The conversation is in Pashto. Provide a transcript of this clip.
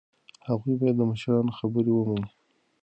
هغوی باید د مشرانو خبره ومني.